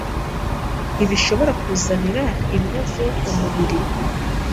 ntibishobora kuzanira ibibazo umubiri.